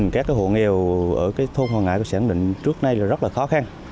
các hộ nghèo ở thôn hòa ngãi của sản định trước nay rất là khó khăn